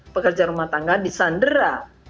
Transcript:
pekerja rumah tangga disandera